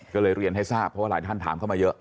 ก็เลยเรียนให้ทราบเพราะว่าหลายท่านถามเข้ามาเยอะ